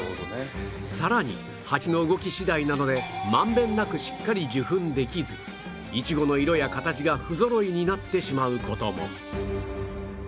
さらにハチの動き次第なのでまんべんなくしっかり受粉できずイチゴの色や形がふぞろいになってしまう事も